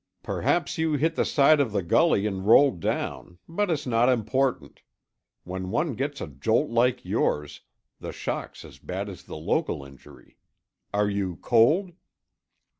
"Perhaps you hit the side of the gully and rolled down, but it's not important. When one gets a jolt like yours the shock's as bad as the local injury. Are you cold?"